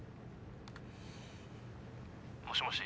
もしもし。